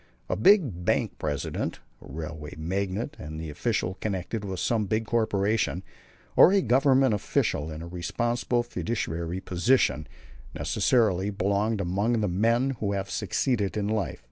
A big bank president, a railway magnate, an official connected with some big corporation, or a Government official in a responsible fiduciary position, necessarily belongs among the men who have succeeded in life.